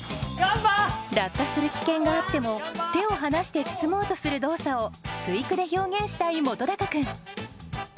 落下する危険があっても手を離して進もうとする動作を対句で表現したい本君。